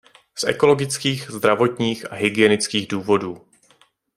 Z ekologických, zdravotních a hygienických důvodů.